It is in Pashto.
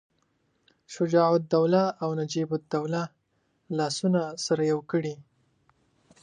شجاع الدوله او نجیب الدوله لاسونه سره یو کړي.